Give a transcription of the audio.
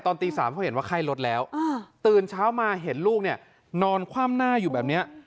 ตี๓เขาเห็นว่าไข้รถแล้วตื่นเช้ามาเห็นลูกเนี่ยนอนคว่ำหน้าอยู่แบบนี้